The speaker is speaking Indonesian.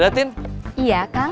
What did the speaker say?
diatin iya kang